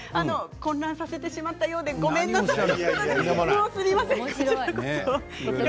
混乱させてしまってごめんなさいと。